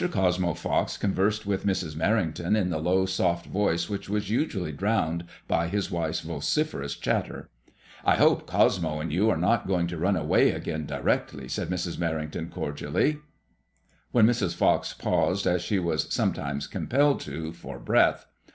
Cosmo Fox conversed with Mrs. Uerrington in the low soft voice which was usually drowned by his wife's vociferous chatter. I hope Cosmo and you are not going to run away again directly," said Mrs. Merrington, cordially, when Mrs. Fox paused. HADJKMOISELLK IXJL. 67 as she was sometimes compelled to, for breath.